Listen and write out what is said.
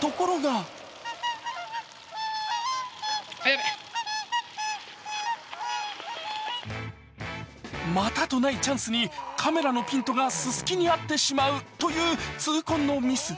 ところがまたとないチャンスにカメラのピントがススキに合ってしまうという痛恨のミス。